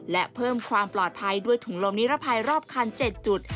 และเพิ่มความปลอดภัยด้วยถุงลมนิรภัยรอบคัน๗จุด